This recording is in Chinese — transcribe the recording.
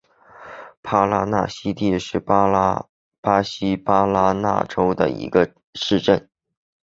帕拉纳西蒂是巴西巴拉那州的一个市镇。